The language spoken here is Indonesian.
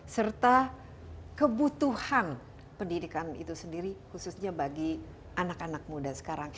serta kebutuhan pendidikan itu sendiri khususnya bagi anak anak muda sekarang